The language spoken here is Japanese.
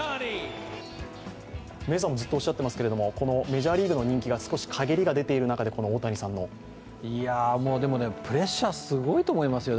メイさんもずっとおっしゃっていますけれども、メジャーリーグの人気が少し陰りが出ている中で、いやあ、プレッシャーすごいと思いますよ。